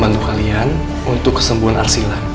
bantu kalian untuk kesembuhan arsila